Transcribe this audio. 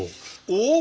おっ！